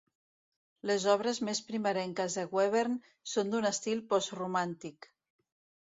Les obres més primerenques de Webern són d'un estil postromàntic.